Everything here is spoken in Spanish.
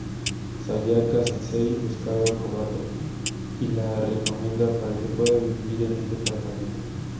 Sayaka-sensei busca a Kobato y la recomienda para que pueda vivir en un departamento.